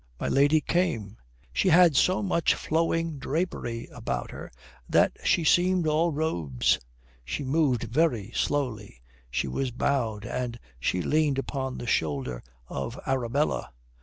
My lady came. She had so much flowing drapery about her that she seemed all robes. She moved very slowly, she was bowed, and she leaned upon the shoulder of Arabella.